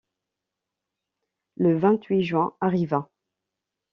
Le vingt-huit juin arriva.